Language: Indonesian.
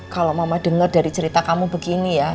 kalau mama dengar dari cerita kamu begini ya